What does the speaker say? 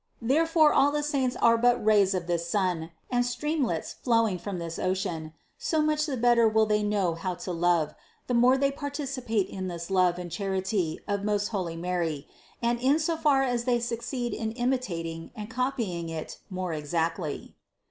Therefore all the saints are but rays of this sun, and streamlets flowing from this ocean ; so much the bet ter will they know how to love, the more they participate in this love and charity of most holy Mary, and in as far as they succeed in imitating and copying it more exactly.